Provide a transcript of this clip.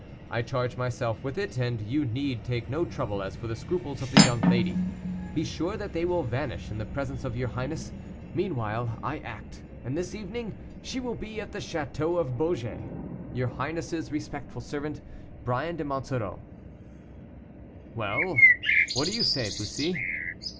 I charge myself with it, and you need take no trouble as for the scruples of the young lady, be sure that they will vanish in the presence of your highness: meanwhile I act; and this evening she will be at the château of Beaugé. "Your highness's respectful servant, "BRYAN DE MONSOREAU." "Well, what do you say, Bussy?"